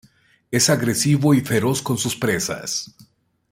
Es agresivo y feroz con sus presas.